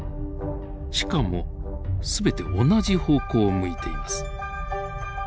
しかも全て同じ方向を向いています。